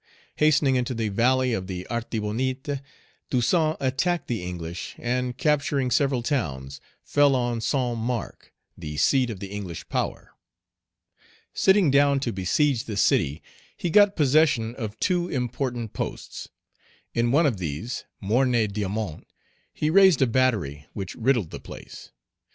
Hastening into the valley of the Artibonite, Toussaint attacked the English, and, capturing several towns, fell on Saint Marc, the seat of the English power. Sitting down to besiege the city, he got possession of two important posts. In one of these, Morne Diamant, he raised a battery which riddled the place.